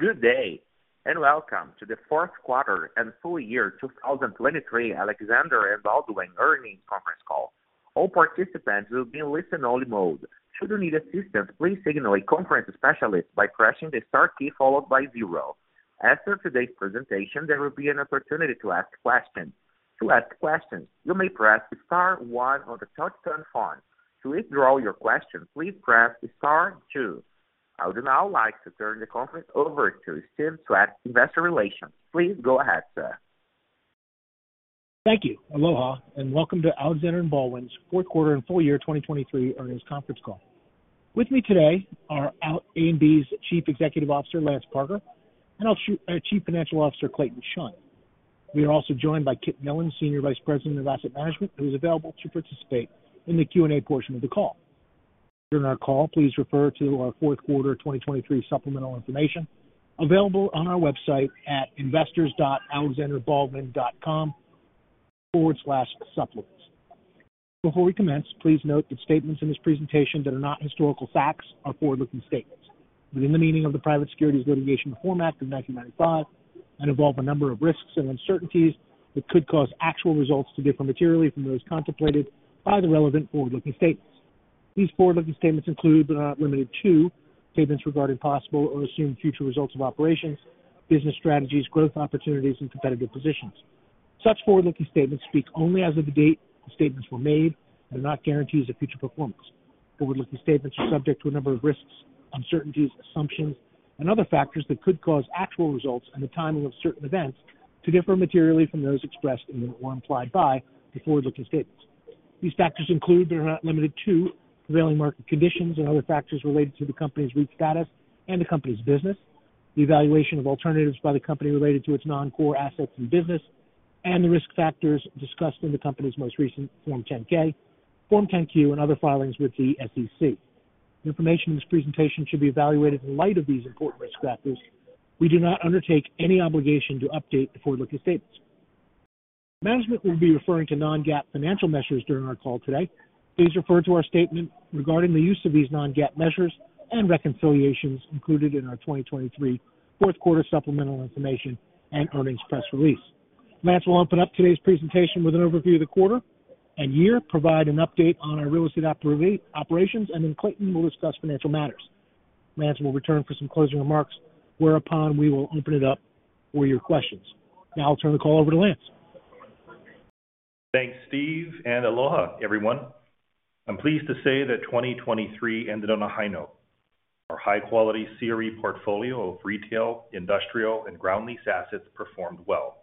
Good day and welcome to the fourth quarter and full year 2023 Alexander & Baldwin Earnings Conference Call. All participants will be in listen-only mode. Should you need assistance, please signal a conference specialist by pressing the star key followed by 0. After today's presentation, there will be an opportunity to ask questions. To ask questions, you may press the star 1 on the touchscreen phone. To withdraw your question, please press the star 2. I would now like to turn the conference over to Steve Swett, Investor Relations. Please go ahead, sir. Thank you. Aloha, and welcome to Alexander & Baldwin's Fourth Quarter and Full Year 2023 Earnings Conference Call. With me today are A&B's Chief Executive Officer Lance Parker and Chief Financial Officer Clayton Chun. We are also joined by Kit Millan, Senior Vice President of Asset Management, who is available to participate in the Q&A portion of the call. During our call, please refer to our fourth quarter 2023 supplemental information available on our website at investors.alexanderbaldwin.com/supplements. Before we commence, please note that statements in this presentation that are not historical facts are forward-looking statements within the meaning of the Private Securities Litigation Reform Act of 1995 and involve a number of risks and uncertainties that could cause actual results to differ materially from those contemplated by the relevant forward-looking statements. These forward-looking statements include but are not limited to statements regarding possible or assumed future results of operations, business strategies, growth opportunities, and competitive positions. Such forward-looking statements speak only as of the date the statements were made and are not guarantees of future performance. Forward-looking statements are subject to a number of risks, uncertainties, assumptions, and other factors that could cause actual results and the timing of certain events to differ materially from those expressed in or implied by the forward-looking statements. These factors include but are not limited to prevailing market conditions and other factors related to the company's REIT status and the company's business, the evaluation of alternatives by the company related to its non-core assets and business, and the risk factors discussed in the company's most recent Form 10-K, Form 10-Q, and other filings with the SEC. The information in this presentation should be evaluated in light of these important risk factors. We do not undertake any obligation to update the forward-looking statements. Management will be referring to non-GAAP financial measures during our call today. Please refer to our statement regarding the use of these non-GAAP measures and reconciliations included in our 2023 fourth quarter supplemental information and earnings press release. Lance will open up today's presentation with an overview of the quarter and year, provide an update on our real estate operations, and then Clayton will discuss financial matters. Lance will return for some closing remarks, whereupon we will open it up for your questions. Now I'll turn the call over to Lance. Thanks, Steve, and aloha, everyone. I'm pleased to say that 2023 ended on a high note. Our high-quality CRE portfolio of retail, industrial, and ground lease assets performed well.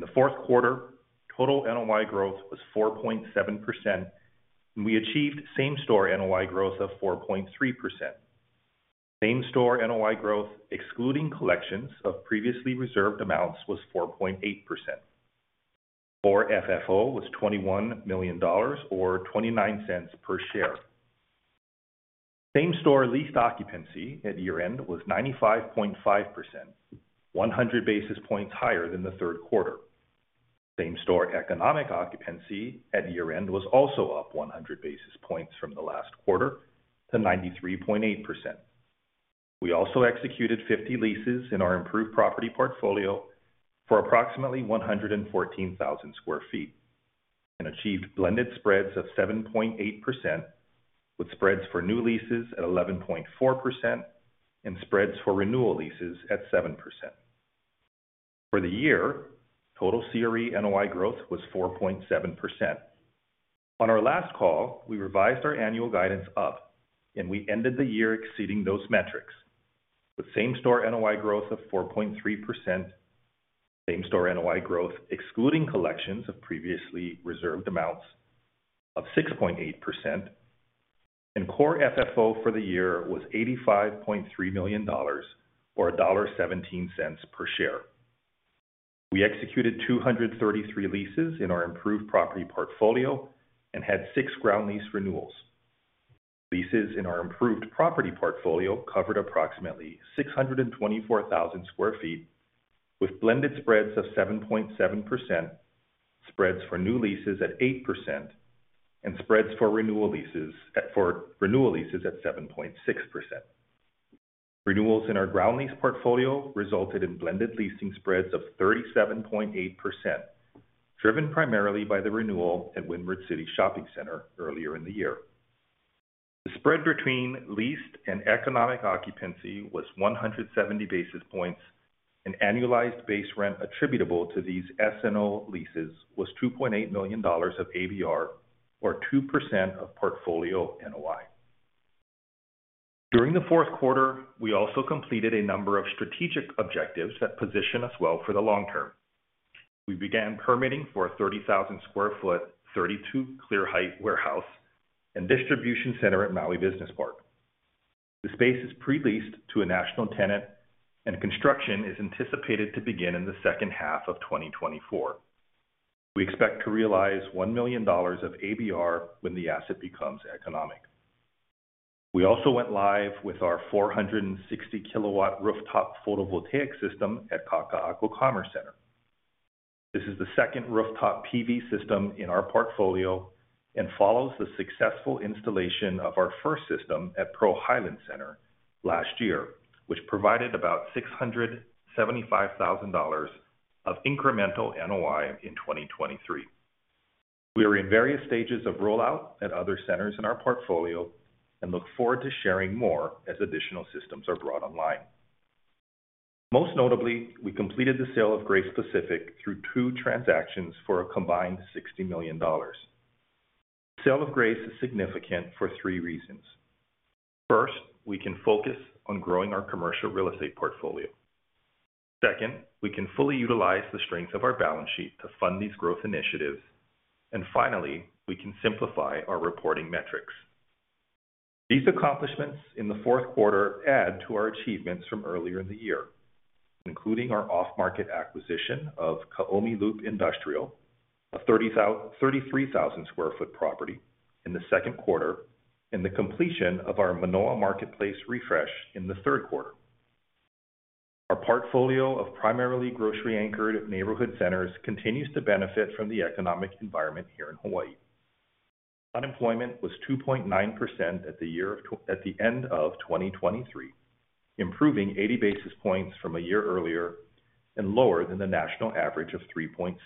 In the fourth quarter, total NOI growth was 4.7%, and we achieved same-store NOI growth of 4.3%. Same-store NOI growth excluding collections of previously reserved amounts was 4.8%. Our FFO was $21 million or $0.29 per share. Same-store lease occupancy at year-end was 95.5%, 100 basis points higher than the third quarter. Same-store economic occupancy at year-end was also up 100 basis points from the last quarter to 93.8%. We also executed 50 leases in our improved property portfolio for approximately 114,000 sq ft and achieved blended spreads of 7.8%, with spreads for new leases at 11.4% and spreads for renewal leases at 7%. For the year, total CRE NOI growth was 4.7%. On our last call, we revised our annual guidance up, and we ended the year exceeding those metrics, with Same-Store NOI growth of 4.3%, Same-Store NOI growth excluding collections of previously reserved amounts of 6.8%, and Core FFO for the year was $85.3 million or $1.17 per share. We executed 233 leases in our improved property portfolio and had 6 ground lease renewals. Leases in our improved property portfolio covered approximately 624,000 sq ft, with blended spreads of 7.7%, spreads for new leases at 8%, and spreads for renewal leases at 7.6%. Renewals in our ground lease portfolio resulted in blended leasing spreads of 37.8%, driven primarily by the renewal at Windward City Shopping Center earlier in the year. The spread between leased and economic occupancy was 170 basis points, and annualized base rent attributable to these SNO leases was $2.8 million of ABR or 2% of portfolio NOI. During the fourth quarter, we also completed a number of strategic objectives that position us well for the long term. We began permitting for a 30,000 sq ft, 32 clear height warehouse and distribution center at Maui Business Park. The space is pre-leased to a national tenant, and construction is anticipated to begin in the second half of 2024. We expect to realize $1 million of ABR when the asset becomes economic. We also went live with our 460-kilowatt rooftop photovoltaic system at Kaka'ako Commerce Center. This is the second rooftop PV system in our portfolio and follows the successful installation of our first system at Pearl Highlands Center last year, which provided about $675,000 of incremental NOI in 2023. We are in various stages of rollout at other centers in our portfolio and look forward to sharing more as additional systems are brought online. Most notably, we completed the sale of Grace Pacific through two transactions for a combined $60 million. The sale of Grace is significant for three reasons. First, we can focus on growing our commercial real estate portfolio. Second, we can fully utilize the strength of our balance sheet to fund these growth initiatives. And finally, we can simplify our reporting metrics. These accomplishments in the fourth quarter add to our achievements from earlier in the year, including our off-market acquisition of Kaomi Loop Industrial, a 33,000 square foot property in the second quarter, and the completion of our Manoa Marketplace refresh in the third quarter. Our portfolio of primarily grocery-anchored neighborhood centers continues to benefit from the economic environment here in Hawaii. Unemployment was 2.9% at the end of 2023, improving 80 basis points from a year earlier and lower than the national average of 3.7%.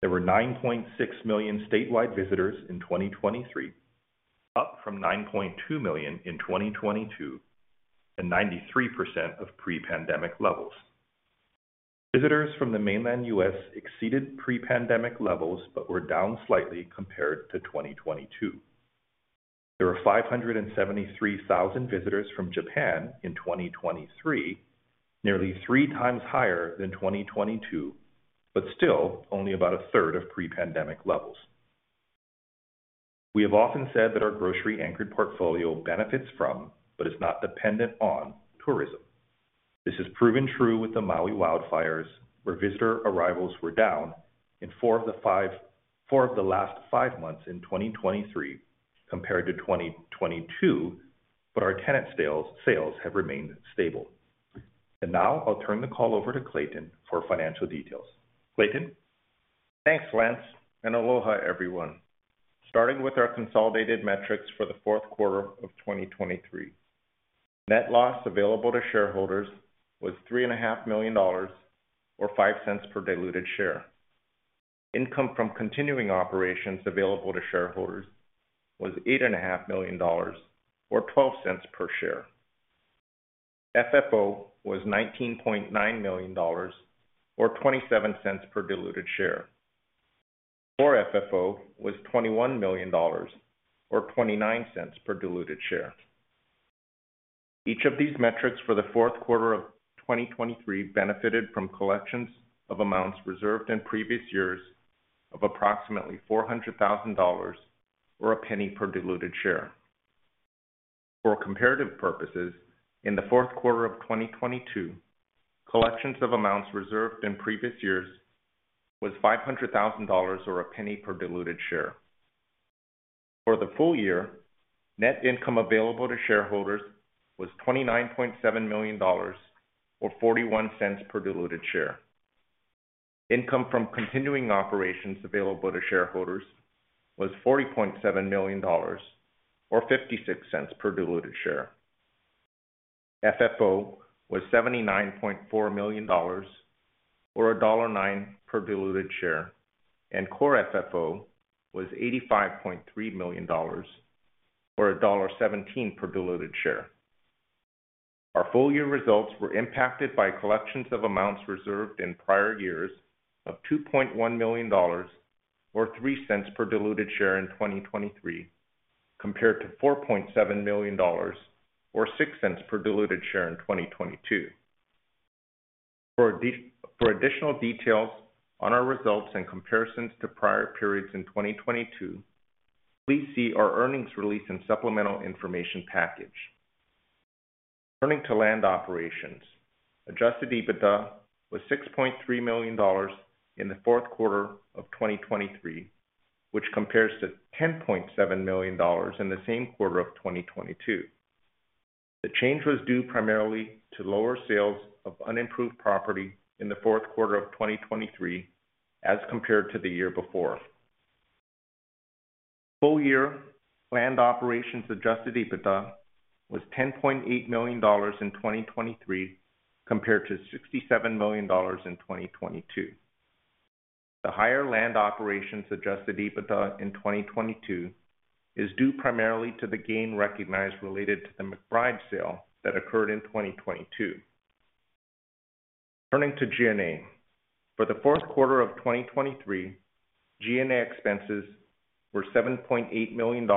There were 9.6 million statewide visitors in 2023, up from 9.2 million in 2022 and 93% of pre-pandemic levels. Visitors from the mainland U.S. exceeded pre-pandemic levels but were down slightly compared to 2022. There were 573,000 visitors from Japan in 2023, nearly three times higher than 2022, but still only about a third of pre-pandemic levels. We have often said that our grocery-anchored portfolio benefits from but is not dependent on tourism. This has proven true with the Maui wildfires, where visitor arrivals were down in four of the last five months in 2023 compared to 2022, but our tenant sales have remained stable. And now I'll turn the call over to Clayton for financial details. Clayton? Thanks, Lance, and aloha, everyone. Starting with our consolidated metrics for the fourth quarter of 2023, net loss available to shareholders was $3.5 million or $0.05 per diluted share. Income from continuing operations available to shareholders was $8.5 million or $0.12 per share. FFO was $19.9 million or $0.27 per diluted share. Core FFO was $21 million or $0.29 per diluted share. Each of these metrics for the fourth quarter of 2023 benefited from collections of amounts reserved in previous years of approximately $400,000 or $0.01 per diluted share. For comparative purposes, in the fourth quarter of 2022, collections of amounts reserved in previous years was $500,000 or $0.01 per diluted share. For the full year, net income available to shareholders was $29.7 million or $0.41 per diluted share. Income from continuing operations available to shareholders was $40.7 million or $0.56 per diluted share. FFO was $79.4 million or $1.09 per diluted share, and core FFO was $85.3 million or $1.17 per diluted share. Our full year results were impacted by collections of amounts reserved in prior years of $2.1 million or $0.03 per diluted share in 2023 compared to $4.7 million or $0.06 per diluted share in 2022. For additional details on our results and comparisons to prior periods in 2022, please see our earnings release and supplemental information package. Land operations, adjusted EBITDA was $6.3 million in the fourth quarter of 2023, which compares to $10.7 million in the same quarter of 2022. The change was due primarily to lower sales of unimproved property in the fourth quarter of 2023 as compared to the year before. Full year land operations adjusted EBITDA was $10.8 million in 2023 compared to $67 million in 2022. The higher land operations adjusted EBITDA in 2022 is due primarily to the gain recognized related to the McBryde sale that occurred in 2022. Turning to G&A, for the fourth quarter of 2023, G&A expenses were $7.8 million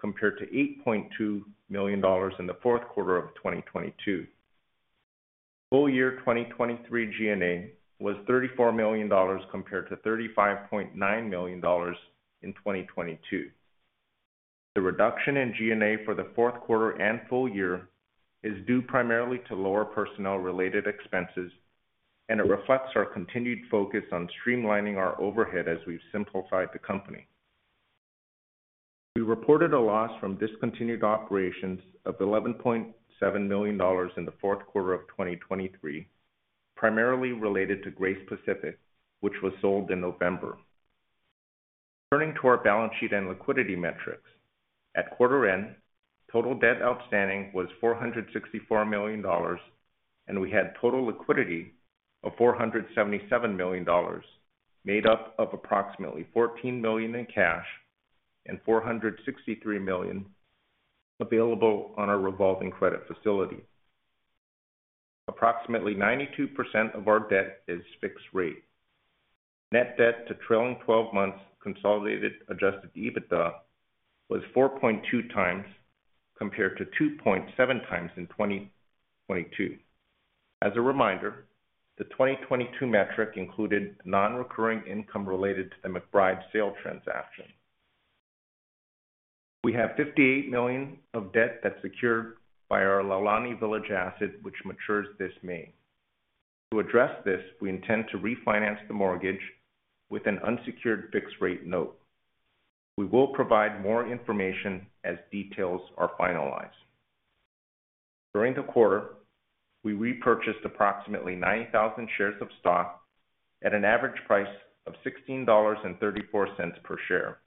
compared to $8.2 million in the fourth quarter of 2022. Full year 2023 G&A was $34 million compared to $35.9 million in 2022. The reduction in G&A for the fourth quarter and full year is due primarily to lower personnel-related expenses, and it reflects our continued focus on streamlining our overhead as we've simplified the company. We reported a loss from discontinued operations of $11.7 million in the fourth quarter of 2023, primarily related to Grace Pacific, which was sold in November. Turning to our balance sheet and liquidity metrics, at quarter end, total debt outstanding was $464 million, and we had total liquidity of $477 million made up of approximately $14 million in cash and $463 million available on our revolving credit facility. Approximately 92% of our debt is fixed rate. Net debt to trailing 12 months consolidated adjusted EBITDA was 4.2x compared to 2.7x in 2022. As a reminder, the 2022 metric included non-recurring income related to the McBryde sale transaction. We have $58 million of debt that's secured by our Laulani Village asset, which matures this May. To address this, we intend to refinance the mortgage with an unsecured fixed rate note. We will provide more information as details are finalized. During the quarter, we repurchased approximately 90,000 shares of stock at an average price of $16.34 per share.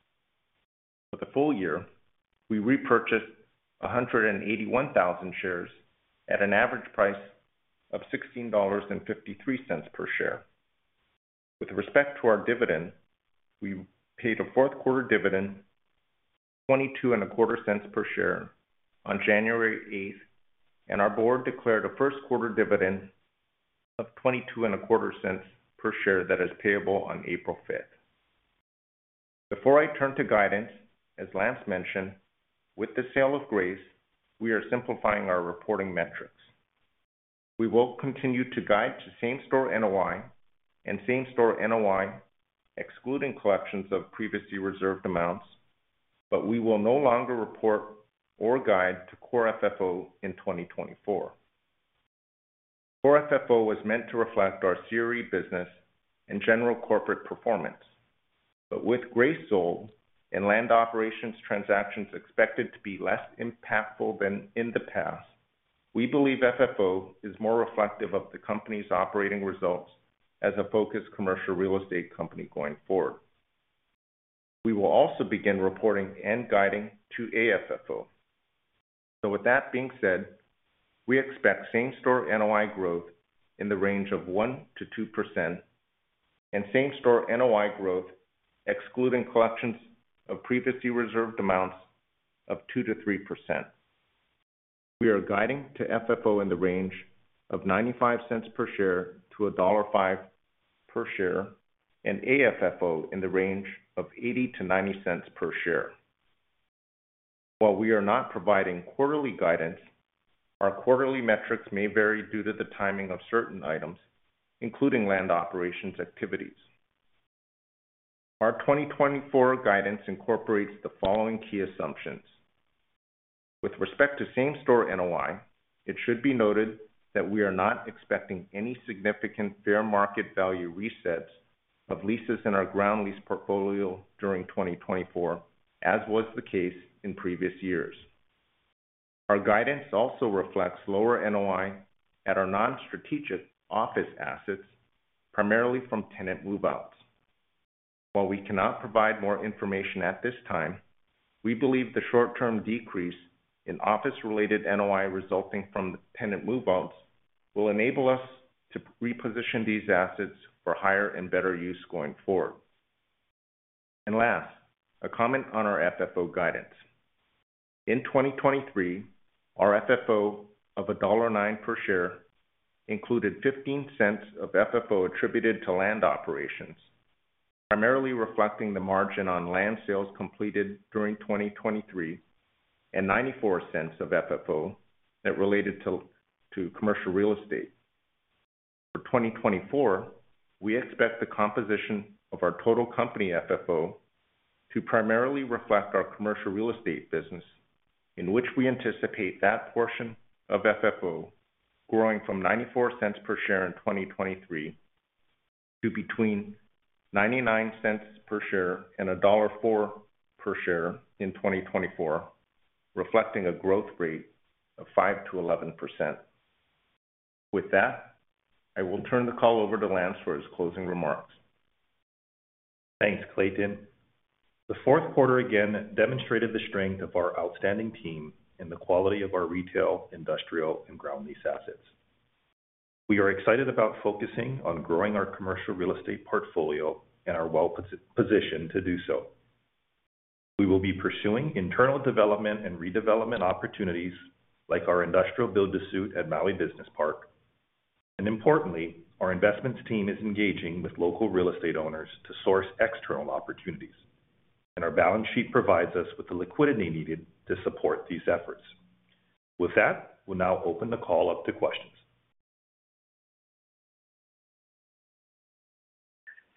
For the full year, we repurchased 181,000 shares at an average price of $16.53 per share. With respect to our dividend, we paid a fourth quarter dividend of $0.2225 per share on January 8th, and our board declared a first quarter dividend of $0.2225 per share that is payable on April 5th. Before I turn to guidance, as Lance mentioned, with the sale of Grace, we are simplifying our reporting metrics. We will continue to guide to same-store NOI and same-store NOI excluding collections of previously reserved amounts, but we will no longer report or guide to core FFO in 2024. Core FFO was meant to reflect our CRE business and general corporate performance. But with Grace sold and land operations transactions expected to be less impactful than in the past, we believe FFO is more reflective of the company's operating results as a focused commercial real estate company going forward. We will also begin reporting and guiding to AFFO. So with that being said, we expect same-store NOI growth in the range of 1%-2% and same-store NOI growth excluding collections of previously reserved amounts of 2%-3%. We are guiding to FFO in the range of $0.95 per share to $1.05 per share and AFFO in the range of $0.80 to $0.90 per share. While we are not providing quarterly guidance, our quarterly metrics may vary due to the timing of certain items, including land operations activities. Our 2024 guidance incorporates the following key assumptions. With respect to same-store NOI, it should be noted that we are not expecting any significant fair market value resets of leases in our ground lease portfolio during 2024, as was the case in previous years. Our guidance also reflects lower NOI at our non-strategic office assets, primarily from tenant move-outs. While we cannot provide more information at this time, we believe the short-term decrease in office-related NOI resulting from the tenant move-outs will enable us to reposition these assets for higher and better use going forward. Last, a comment on our FFO guidance. In 2023, our FFO of $1.09 per share included $0.15 of FFO attributed to land operations, primarily reflecting the margin on land sales completed during 2023 and $0.94 of FFO that related to commercial real estate. For 2024, we expect the composition of our total company FFO to primarily reflect our commercial real estate business, in which we anticipate that portion of FFO growing from $0.94 per share in 2023 to between $0.99 per share and $1.04 per share in 2024, reflecting a growth rate of 5%-11%. With that, I will turn the call over to Lance for his closing remarks. Thanks, Clayton. The fourth quarter again demonstrated the strength of our outstanding team and the quality of our retail, industrial, and ground lease assets. We are excited about focusing on growing our commercial real estate portfolio and we're well positioned to do so. We will be pursuing internal development and redevelopment opportunities like our industrial build-to-suit at Maui Business Park. And importantly, our investments team is engaging with local real estate owners to source external opportunities, and our balance sheet provides us with the liquidity needed to support these efforts. With that, we'll now open the call up to questions.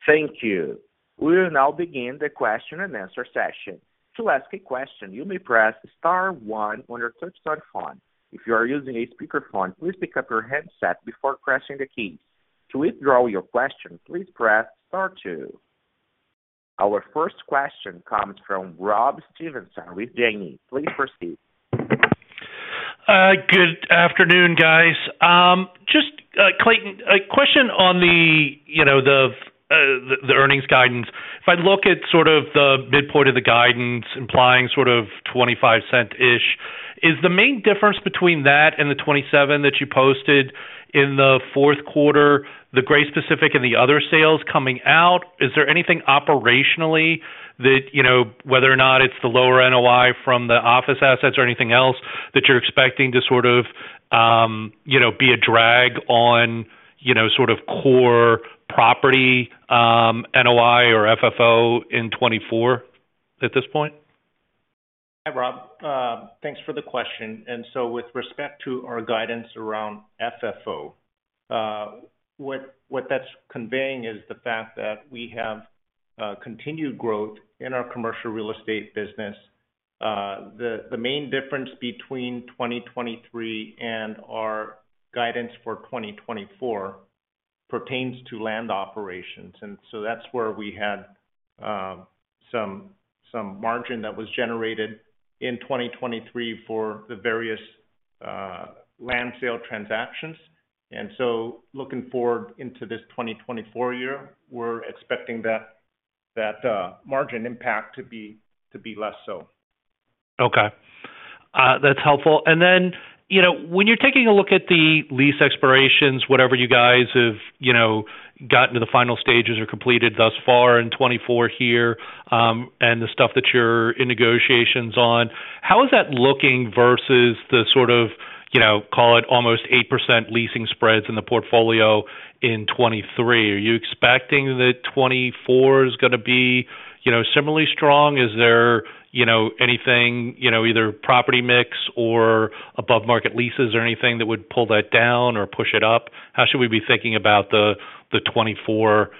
Thank you. We will now begin the question-and-answer session. To ask a question, you may press star one when you touch the phone. If you are using a speakerphone, please pick up your headset before pressing the keys. To withdraw your question, please press star two. Our first question comes from Rob Stevenson with Janney. Please proceed. Good afternoon, guys. Just Clayton, a question on the earnings guidance. If I look at sort of the midpoint of the guidance, implying sort of $0.25-ish, is the main difference between that and the $0.27 that you posted in the fourth quarter, the Grace Pacific and the other sales coming out? Is there anything operationally that whether or not it's the lower NOI from the office assets or anything else that you're expecting to sort of be a drag on sort of core property NOI or FFO in 2024 at this point? Hi, Rob. Thanks for the question. So with respect to our guidance around FFO, what that's conveying is the fact that we have continued growth in our commercial real estate business. The main difference between 2023 and our guidance for 2024 pertains to land operations. So that's where we had some margin that was generated in 2023 for the various land sale transactions. So looking forward into this 2024 year, we're expecting that margin impact to be less so. Okay. That's helpful. Then when you're taking a look at the lease expirations, whatever you guys have gotten to the final stages or completed thus far in 2024 here and the stuff that you're in negotiations on, how is that looking versus the sort of call it almost 8% leasing spreads in the portfolio in 2023? Are you expecting that 2024 is going to be similarly strong? Is there anything, either property mix or above-market leases or anything that would pull that down or push it up? How should we be thinking about the 2024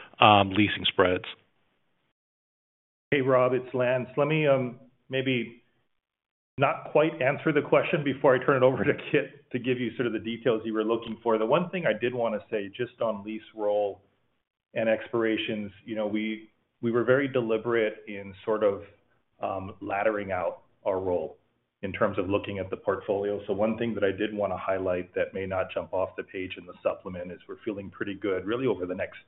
leasing spreads? Hey, Rob, it's Lance. Let me maybe not quite answer the question before I turn it over to Kit to give you sort of the details you were looking for. The one thing I did want to say just on lease roll and expirations, we were very deliberate in sort of laddering out our roll in terms of looking at the portfolio. So one thing that I did want to highlight that may not jump off the page in the supplement is we're feeling pretty good, really over the next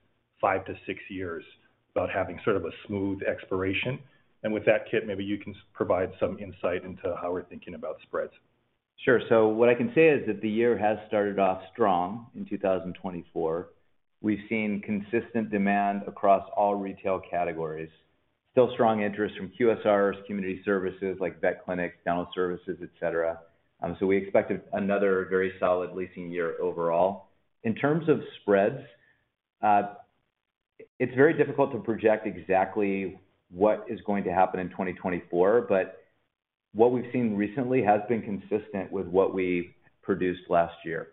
five to six years, about having sort of a smooth expiration. And with that, Kit, maybe you can provide some insight into how we're thinking about spreads. Sure. So what I can say is that the year has started off strong in 2024. We've seen consistent demand across all retail categories. Still strong interest from QSRs, community services like vet clinics, dental services, etc. So we expect another very solid leasing year overall. In terms of spreads, it's very difficult to project exactly what is going to happen in 2024, but what we've seen recently has been consistent with what we produced last year.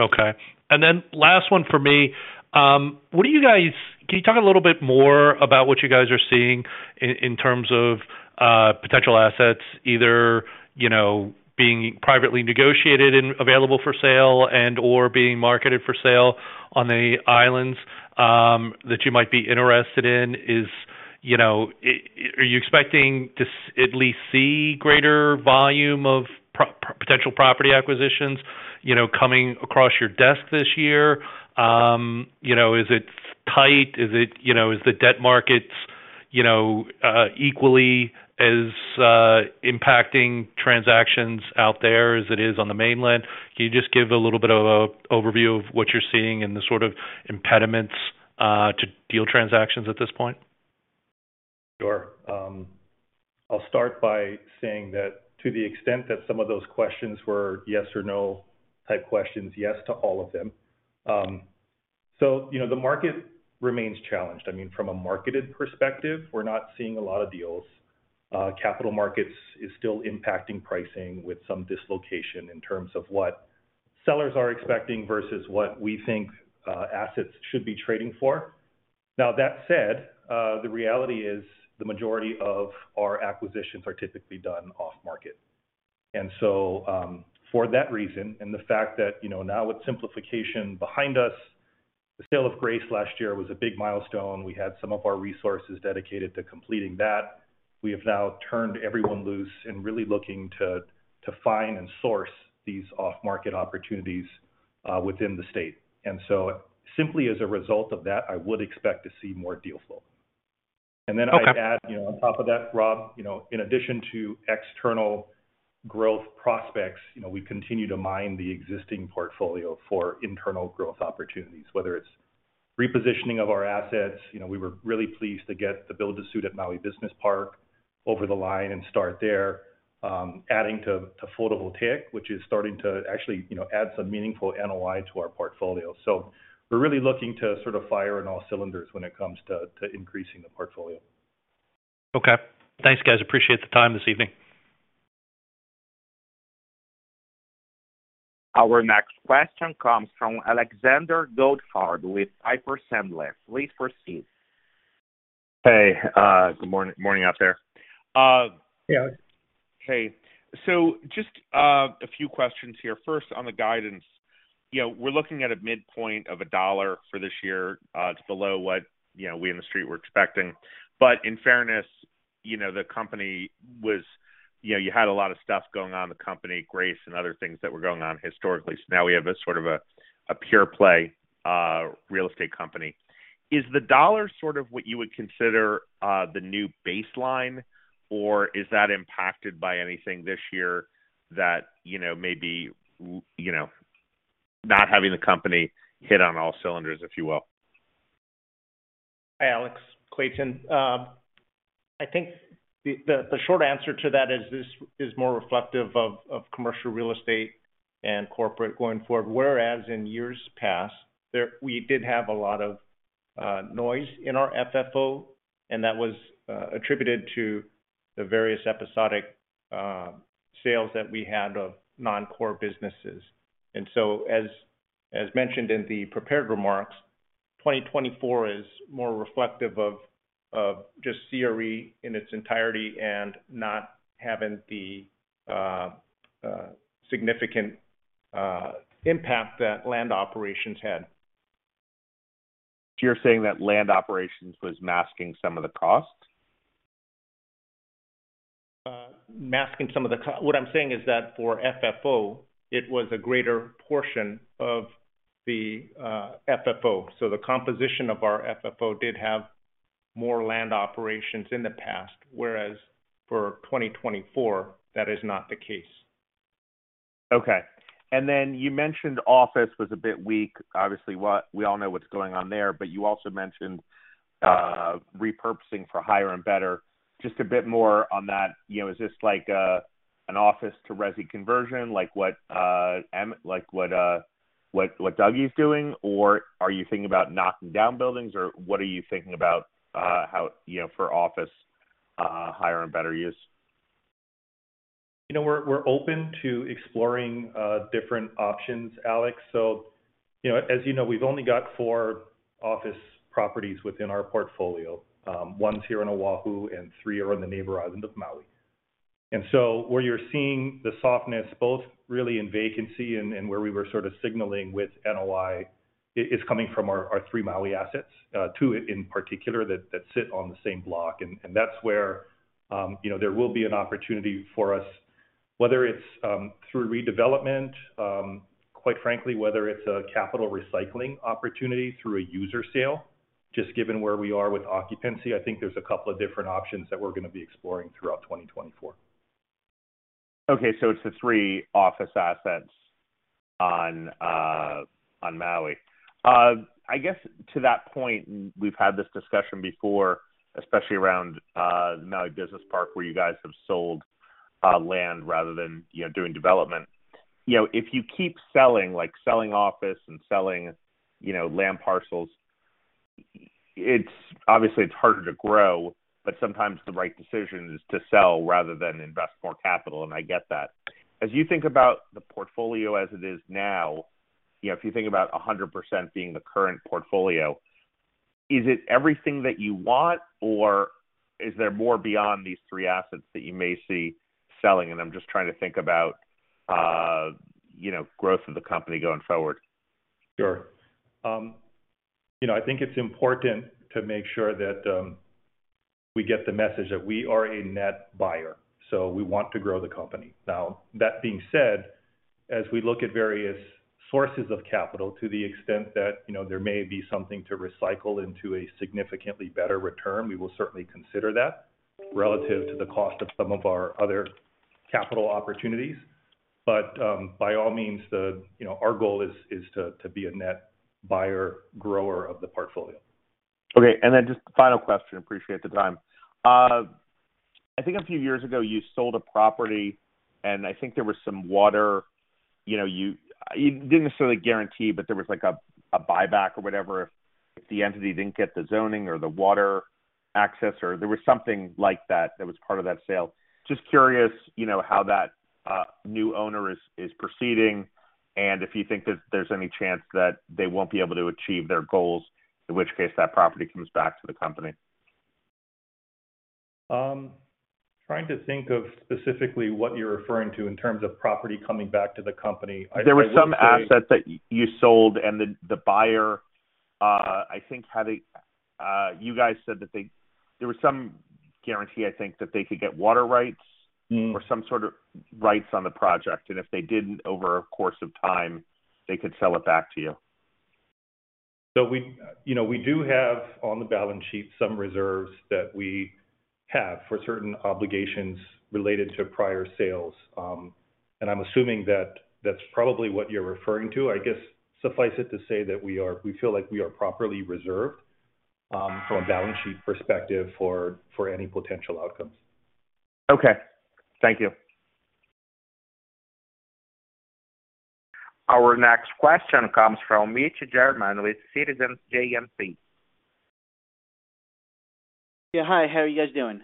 Okay. And then last one for me. What do you guys can you talk a little bit more about what you guys are seeing in terms of potential assets, either being privately negotiated and available for sale and/or being marketed for sale on the islands that you might be interested in? Are you expecting to at least see greater volume of potential property acquisitions coming across your desk this year? Is it tight? Is the debt markets equally as impacting transactions out there as it is on the mainland? Can you just give a little bit of an overview of what you're seeing and the sort of impediments to deal transactions at this point? Sure. I'll start by saying that to the extent that some of those questions were yes or no type questions, yes to all of them. So the market remains challenged. I mean, from a market perspective, we're not seeing a lot of deals. Capital markets are still impacting pricing with some dislocation in terms of what sellers are expecting versus what we think assets should be trading for. Now, that said, the reality is the majority of our acquisitions are typically done off-market. And so for that reason and the fact that now with simplification behind us, the sale of Grace last year was a big milestone. We had some of our resources dedicated to completing that. We have now turned everyone loose and really looking to find and source these off-market opportunities within the state. Simply as a result of that, I would expect to see more deal flow. Then I add on top of that, Rob, in addition to external growth prospects, we continue to mine the existing portfolio for internal growth opportunities, whether it's repositioning of our assets. We were really pleased to get the build-to-suit at Maui Business Park over the line and start there, adding to photovoltaic, which is starting to actually add some meaningful NOI to our portfolio. We're really looking to sort of fire on all cylinders when it comes to increasing the portfolio. Okay. Thanks, guys. Appreciate the time this evening. Our next question comes from Alexander Goldfarb with Piper Sandler. Please proceed. Hey. Good morning out there. Hey. Hey. So just a few questions here. First, on the guidance, we're looking at a midpoint of $1 for this year. It's below what we in the street were expecting. But in fairness, the company was you had a lot of stuff going on, the company, Grace, and other things that were going on historically. So now we have sort of a pure-play real estate company. Is the dollar sort of what you would consider the new baseline, or is that impacted by anything this year that may be not having the company hit on all cylinders, if you will? Hi, Alex. Clayton, I think the short answer to that is this is more reflective of commercial real estate and corporate going forward. Whereas in years past, we did have a lot of noise in our FFO, and that was attributed to the various episodic sales that we had of non-core businesses. And so as mentioned in the prepared remarks, 2024 is more reflective of just CRE in its entirety and not having the significant impact that land operations had. You're saying that land operations was masking some of the cost? Masking some of the cost. What I'm saying is that for FFO, it was a greater portion of the FFO. So the composition of our FFO did have more land operations in the past, whereas for 2024, that is not the case. Okay. And then you mentioned office was a bit weak. Obviously, we all know what's going on there, but you also mentioned repurposing for higher and better. Just a bit more on that, is this like an office-to-RESI conversion, like what Dougie's doing, or are you thinking about knocking down buildings, or what are you thinking about for office higher and better use? We're open to exploring different options, Alex. So as you know, we've only got 4 office properties within our portfolio. 1's here in Oahu, and 3 are on the neighbor island of Maui. And so where you're seeing the softness, both really in vacancy and where we were sort of signaling with NOI, is coming from our 3 Maui assets, 2 in particular that sit on the same block. And that's where there will be an opportunity for us, whether it's through redevelopment, quite frankly, whether it's a capital recycling opportunity through a user sale. Just given where we are with occupancy, I think there's a couple of different options that we're going to be exploring throughout 2024. Okay. So it's the three office assets on Maui. I guess to that point, we've had this discussion before, especially around the Maui Business Park where you guys have sold land rather than doing development. If you keep selling, like selling office and selling land parcels, obviously, it's harder to grow, but sometimes the right decision is to sell rather than invest more capital. And I get that. As you think about the portfolio as it is now, if you think about 100% being the current portfolio, is it everything that you want, or is there more beyond these three assets that you may see selling? And I'm just trying to think about growth of the company going forward. Sure. I think it's important to make sure that we get the message that we are a net buyer, so we want to grow the company. Now, that being said, as we look at various sources of capital to the extent that there may be something to recycle into a significantly better return, we will certainly consider that relative to the cost of some of our other capital opportunities. But by all means, our goal is to be a net buyer, grower of the portfolio. Okay. Then just final question. Appreciate the time. I think a few years ago, you sold a property, and I think there was some water you didn't necessarily guarantee, but there was a buyback or whatever if the entity didn't get the zoning or the water access, or there was something like that that was part of that sale. Just curious how that new owner is proceeding and if you think that there's any chance that they won't be able to achieve their goals, in which case that property comes back to the company. Trying to think of specifically what you're referring to in terms of property coming back to the company. There were some assets that you sold, and the buyer, I think, you guys said that there was some guarantee, I think, that they could get water rights or some sort of rights on the project. And if they didn't, over a course of time, they could sell it back to you. We do have on the balance sheet some reserves that we have for certain obligations related to prior sales. I'm assuming that that's probably what you're referring to. I guess suffice it to say that we feel like we are properly reserved from a balance sheet perspective for any potential outcomes. Okay. Thank you. Our next question comes from Mitch Germain with JMP Securities. Yeah. Hi. How are you guys doing?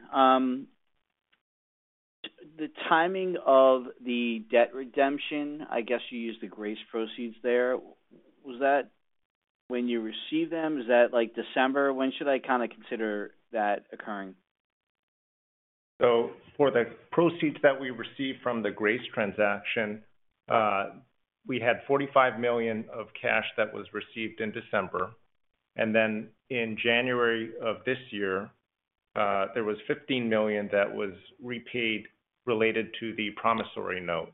The timing of the debt redemption, I guess you used the Grace proceeds there. Was that when you received them? Is that December? When should I kind of consider that occurring? For the proceeds that we received from the Grace transaction, we had $45 million of cash that was received in December. Then in January of this year, there was $15 million that was repaid related to the promissory note.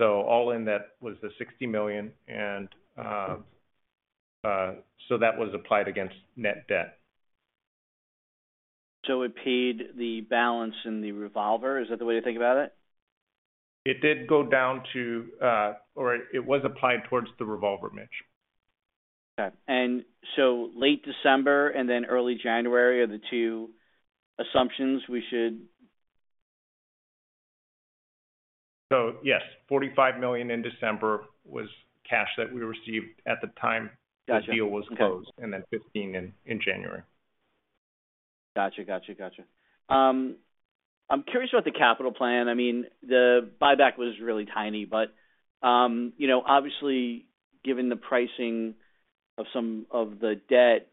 All in, that was the $60 million, and so that was applied against net debt. So it paid the balance in the revolver? Is that the way to think about it? It did go down to or it was applied towards the revolver, Mitch. Okay. And so, late December and then early January, are the two assumptions we should? So yes, $45 million in December was cash that we received at the time the deal was closed, and then $15 million in January. Gotcha. Gotcha. Gotcha. I'm curious about the capital plan. I mean, the buyback was really tiny, but obviously, given the pricing of some of the debt,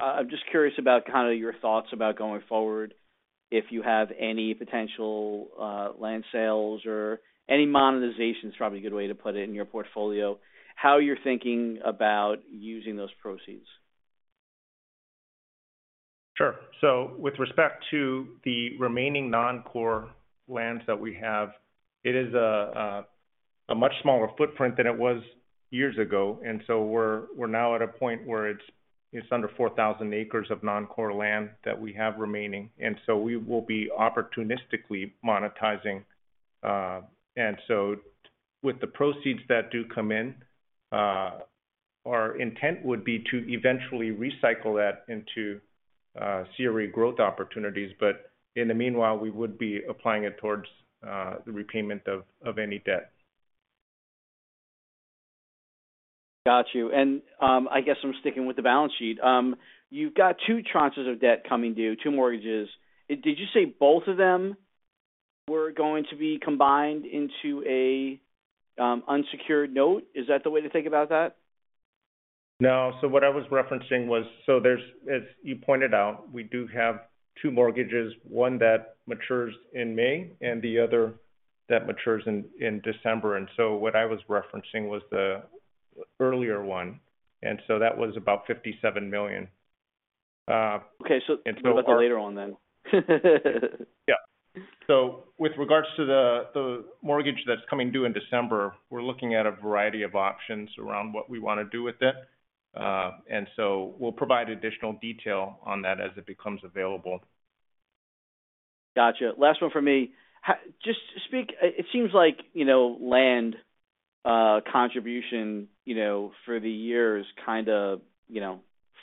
I'm just curious about kind of your thoughts about going forward. If you have any potential land sales or any monetization is probably a good way to put it in your portfolio, how you're thinking about using those proceeds. Sure. So with respect to the remaining non-core lands that we have, it is a much smaller footprint than it was years ago. And so we're now at a point where it's under 4,000 acres of non-core land that we have remaining. And so we will be opportunistically monetizing. And so with the proceeds that do come in, our intent would be to eventually recycle that into CRE growth opportunities. But in the meanwhile, we would be applying it towards the repayment of any debt. Got you. I guess I'm sticking with the balance sheet. You've got two tranches of debt coming due, two mortgages. Did you say both of them were going to be combined into an unsecured note? Is that the way to think about that? No. So what I was referencing was so as you pointed out, we do have two mortgages, one that matures in May and the other that matures in December. And so what I was referencing was the earlier one. And so that was about $57 million. Okay. So we'll talk about that later on then. Yeah. With regards to the mortgage that's coming due in December, we're looking at a variety of options around what we want to do with it. So we'll provide additional detail on that as it becomes available. Gotcha. Last one from me. It seems like land contribution for the year is kind of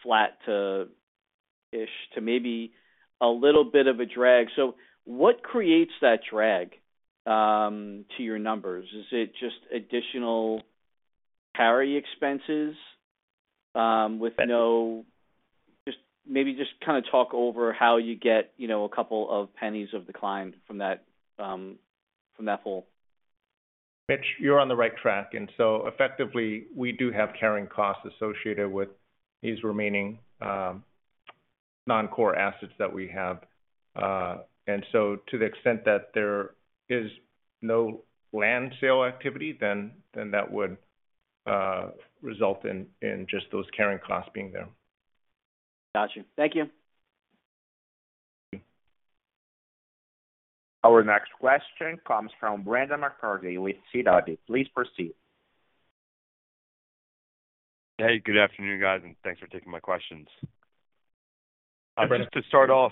flat-ish to maybe a little bit of a drag. So what creates that drag to your numbers? Is it just additional carry expenses with no, just kind of talk over how you get a couple of pennies of decline from that full. Mitch, you're on the right track. And so effectively, we do have carrying costs associated with these remaining non-core assets that we have. And so to the extent that there is no land sale activity, then that would result in just those carrying costs being there. Got you. Thank you. Our next question comes from Brendan McCarthy with Sidoti. Please proceed. Hey. Good afternoon, guys, and thanks for taking my questions. Hi, Brandon. To start off,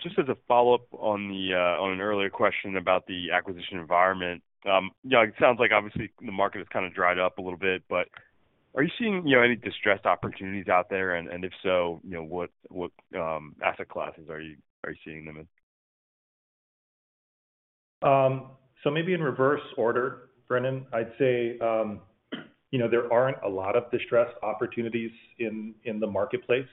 just as a follow-up on an earlier question about the acquisition environment, it sounds like obviously the market has kind of dried up a little bit, but are you seeing any distressed opportunities out there? And if so, what asset classes are you seeing them in? Maybe in reverse order, Brandon. I'd say there aren't a lot of distressed opportunities in the marketplace.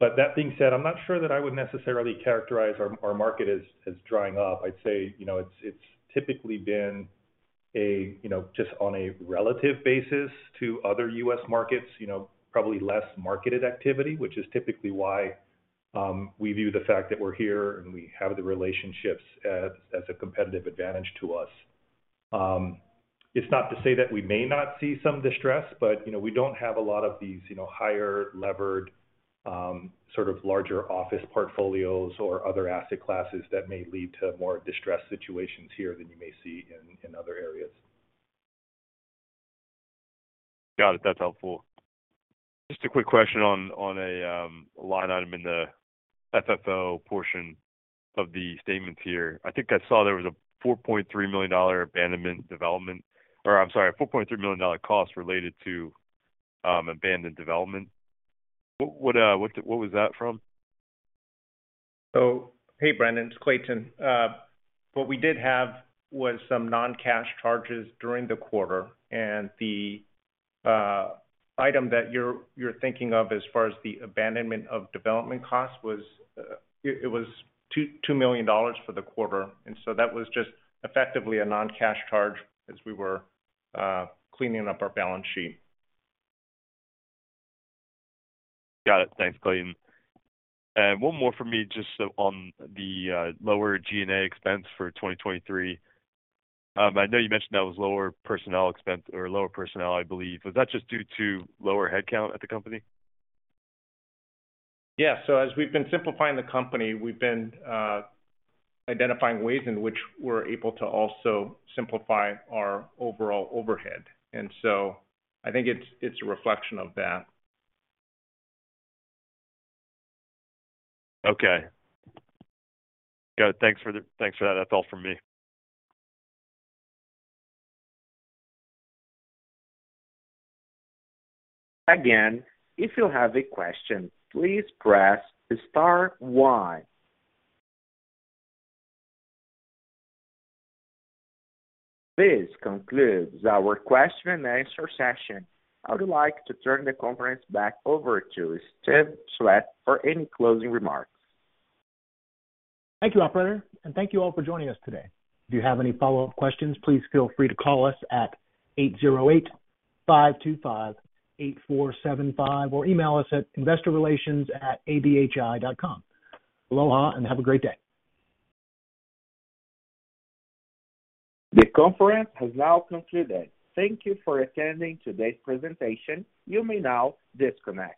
But that being said, I'm not sure that I would necessarily characterize our market as drying up. I'd say it's typically been just on a relative basis to other U.S. markets, probably less marketed activity, which is typically why we view the fact that we're here and we have the relationships as a competitive advantage to us. It's not to say that we may not see some distress, but we don't have a lot of these higher-levered, sort of larger office portfolios or other asset classes that may lead to more distressed situations here than you may see in other areas. Got it. That's helpful. Just a quick question on a line item in the FFO portion of the statements here. I think I saw there was a $4.3 million abandonment development or I'm sorry, a $4.3 million cost related to abandoned development. What was that from? Hey, Brandon. It's Clayton. What we did have was some non-cash charges during the quarter. The item that you're thinking of as far as the abandonment of development cost, it was $2 million for the quarter. So that was just effectively a non-cash charge as we were cleaning up our balance sheet. Got it. Thanks, Clayton. One more from me just on the lower G&A expense for 2023. I know you mentioned that was lower personnel expense or lower personnel, I believe. Was that just due to lower headcount at the company? Yeah. So as we've been simplifying the company, we've been identifying ways in which we're able to also simplify our overall overhead. And so I think it's a reflection of that. Okay. Got it. Thanks for that. That's all from me. Again, if you have a question, please press star Y. This concludes our question and answer session. I would like to turn the conference back over to Steve Swett for any closing remarks. Thank you, operator. Thank you all for joining us today. If you have any follow-up questions, please feel free to call us at 808-525-8475 or email us at investorrelations@abhi.com. Aloha and have a great day. The conference has now concluded. Thank you for attending today's presentation. You may now disconnect.